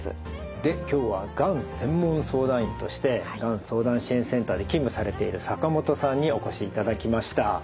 で今日はがん専門相談員としてがん相談支援センターで勤務されている坂本さんにお越しいただきました。